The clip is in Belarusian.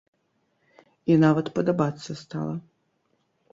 І нават падабацца стала.